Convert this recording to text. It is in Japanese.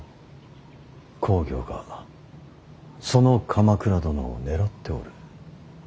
公暁がその鎌倉殿を狙っておる。